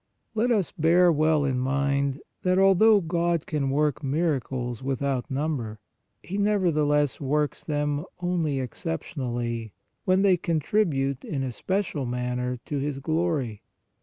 Let us bear well in mind that, although God can work miracles without number, He, nevertheless, works them only exceptionally, when they contribute in a special manner to His glory.